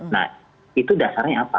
nah itu dasarnya apa